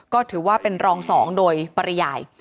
ก็ถือว่าเป็นรอง๒โดยปริยาย